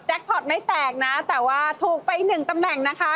พอตไม่แตกนะแต่ว่าถูกไปหนึ่งตำแหน่งนะคะ